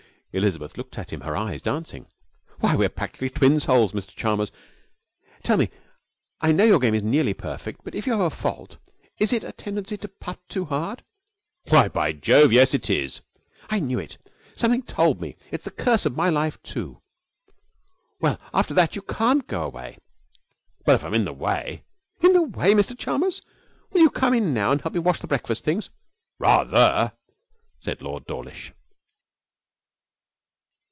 Elizabeth looked at him, her eyes dancing. 'Why, we're practically twin souls, Mr Chalmers! Tell me, I know your game is nearly perfect, but if you have a fault, is it a tendency to putt too hard?' 'Why, by Jove yes, it is!' 'I knew it. Something told me. It's the curse of my life too! Well, after that you can't go away.' 'But if I'm in the way ' 'In the way! Mr Chalmers, will you come in now and help me wash the breakfast things?' 'Rather!' said Lord Dawlish.